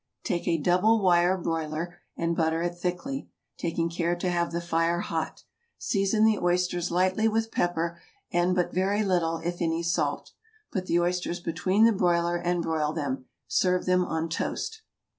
Take a double wire broiler and butter it thickly, taking care to have the fire hot. Season the oysters lightly with pepper and but very little, if any, salt. Put the oysters between the broiler, and broil them; serve them on toast.